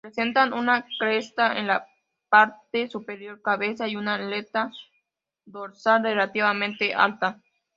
Presentan una cresta en la parte superior cabeza y una aleta dorsal relativamente alta.